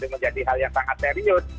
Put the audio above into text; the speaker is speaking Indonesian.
menjadi hal yang sangat serius